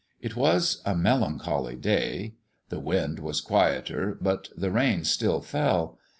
It was a melancholy day. The wind was quieter, but the rain still fell.